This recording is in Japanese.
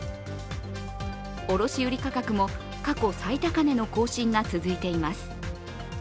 卸売価格も過去最高値の更新が続いています。